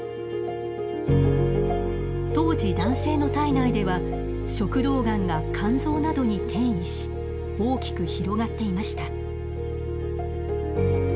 当時男性の体内では食道がんが肝臓などに転移し大きく広がっていました。